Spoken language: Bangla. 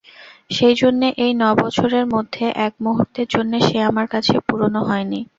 সেইজন্যে এই ন বছরের মধ্যে এক মুহূর্তের জন্যে সে আমার কাছে পুরোনো হয় নি।